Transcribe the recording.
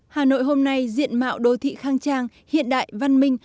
hà nội hôm nay diện mạo đô thị khang trang hiện đại văn minh